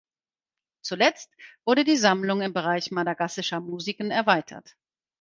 Zuletzt wurde die Sammlung im Bereich madagassischer Musiken erweitert.